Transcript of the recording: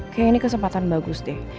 kayaknya ini kesempatan bagus deh